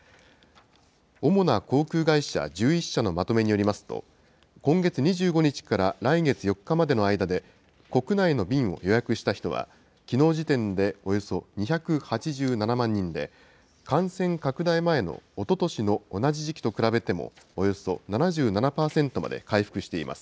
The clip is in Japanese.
主な航空会社１１社のまとめによりますと、今月２５日から来月４日までの間で、国内の便を予約した人は、きのう時点でおよそ２８７万人で、感染拡大前のおととしの同じ時期と比べてもおよそ７７％まで回復しています。